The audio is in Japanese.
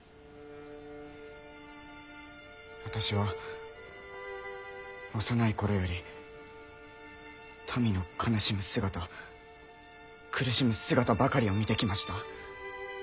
私は幼い頃より民の悲しむ姿苦しむ姿ばかりを見てきました。